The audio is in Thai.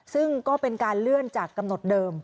ซึ่งก็เป็นการเลื่อนจากกำหนดเดิม